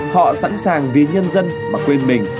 họ sẵn sàng vì nhân dân mà quên mình